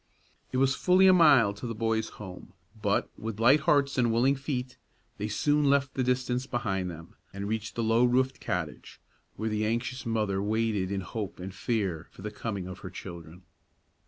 It was fully a mile to the boys' home; but, with light hearts and willing feet, they soon left the distance behind them, and reached the low roofed cottage, where the anxious mother waited in hope and fear for the coming of her children.